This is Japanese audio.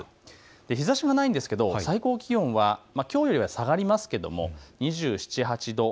日ざしはないんですが最高気温はきょうよりは下がりますけど２７、２８度。